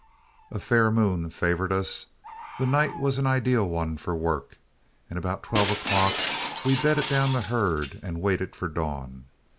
A fair moon favored us. The night was an ideal one for work, and about twelve o'clock we bedded down the herd and waited for dawn.